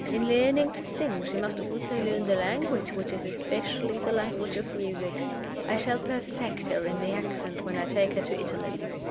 In learning to sing she must also learn the language which is especially the language of music. I shall perfect her in the accent when I take her to Italy.